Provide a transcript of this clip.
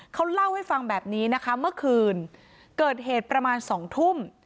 เขาเล่าให้ฟังแบบนี้นะคะเมื่อคืนเกิดเหตุประมาณ๒ทุ่ม